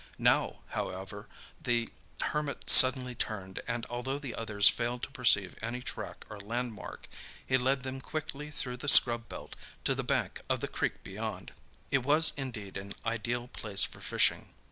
Now, however, the Hermit suddenly turned, and although the others failed to perceive any track or landmark, he led them quickly through the scrub belt to the bank of the creek beyond. It was indeed an ideal place for fishing.